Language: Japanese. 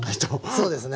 そうですね。